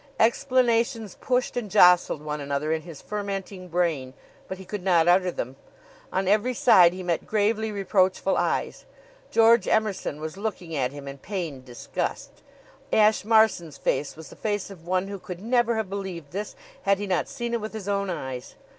Explanations pushed and jostled one another in his fermenting brain, but he could not utter them. On every side he met gravely reproachful eyes. George Emerson was looking at him in pained disgust. Ashe Marson's face was the face of one who could never have believed this had he not seen it with his own eyes.